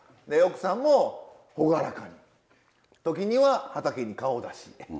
で奥さんも朗らかに時には畑に顔を出し。